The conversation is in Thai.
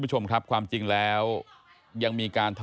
ไอ้แม่ได้เอาแม่ได้เอาแม่